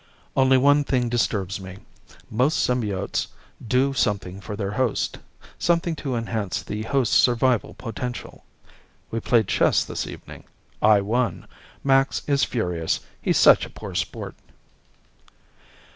Only one thing disturbs me. Most symbiotes do something for their host. Something to enhance the host's survival potential. We played chess this evening. I won. Max is furious. He's such a poor sport.